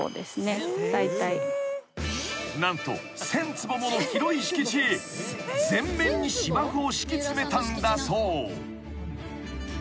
［何と１，０００坪もの広い敷地全面に芝生を敷き詰めたんだそう］